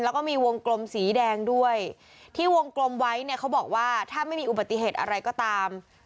แล้วก็มีวงกลมสีแดงด้วยที่วงกลมไว้เนี่ยเขาบอกว่าถ้าไม่มีอุบัติเหตุอะไรก็ตาม